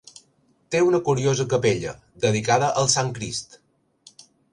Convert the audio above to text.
Té una curiosa capella, dedicada al Sant Crist.